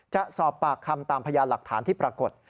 จะสอบปากคำตามพยานหลักฐานที่ปรากฏ